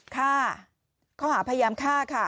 ฆ่าข้อหาพยายามฆ่าค่ะ